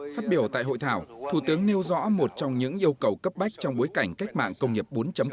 phát biểu tại hội thảo thủ tướng nêu rõ một trong những yêu cầu cấp bách trong bối cảnh cách mạng công nghiệp bốn